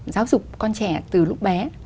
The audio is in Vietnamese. giáo dục con trẻ từ lúc bé